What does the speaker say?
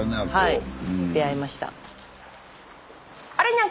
はい出会いました。